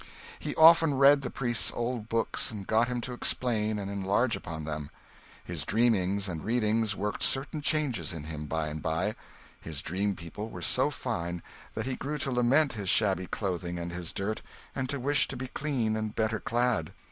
He often read the priest's old books and got him to explain and enlarge upon them. His dreamings and readings worked certain changes in him, by and by. His dream people were so fine that he grew to lament his shabby clothing and his dirt, and to wish to be clean and better clad.